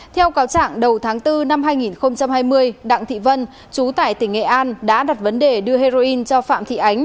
theo cáo trạng đầu tháng bốn năm hai nghìn hai mươi đặng thị vân chú tải tỉnh nghệ an đã đặt vấn đề đưa heroin cho phạm thị ánh